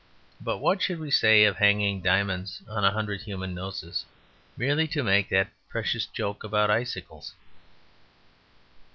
But what should we say of hanging diamonds on a hundred human noses merely to make that precious joke about icicles?